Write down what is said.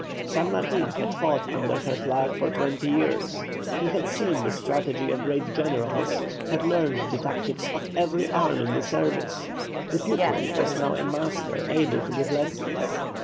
San Martin had fought under her flag for twenty years, he had seen the strategy of great generals, had learned the tactics of every arm in the service; the pupil was now a master able to give lessons.